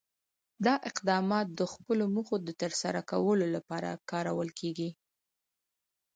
دا اقدامات د خپلو موخو د ترسره کولو لپاره کارول کېږي.